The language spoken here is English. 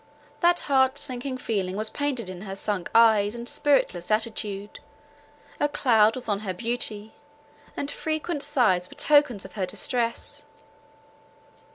That heart sinking feeling was painted in her sunk eyes and spiritless attitude; a cloud was on her beauty, and frequent sighs were tokens of her distress.